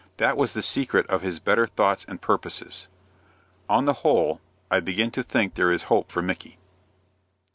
That was the secret of his better thoughts and purposes. On the whole, I begin to think there is hope for Micky.